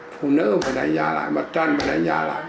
phụ nữ phải đánh giá lại mặt trận phải đánh giá lại